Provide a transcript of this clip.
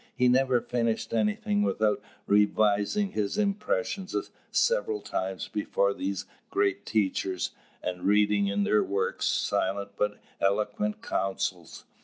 He never finished anything without revising his impressions several times before these great teachers, and reading in their works silent but eloquent counsels.